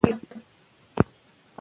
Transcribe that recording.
هویت به ټینګ پاتې وي.